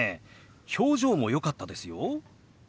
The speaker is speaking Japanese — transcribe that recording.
表情もよかったですよ。